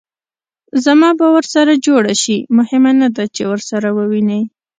زما به ورسره جوړه شي؟ مهمه نه ده چې ورسره ووینې.